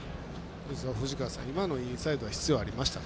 藤川さん、今のインサイド必要ありましたか？